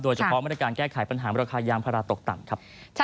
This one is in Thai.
โดยเฉพาะบริการแก้ไขปัญหาเมื่อราคายางภาระตกต่ำครับ